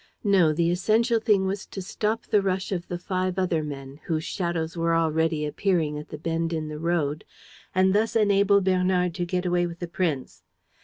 No, the essential thing was to stop the rush of the five other men, whose shadows were already appearing at the bend in the road, and thus to enable Bernard to get away with the prince.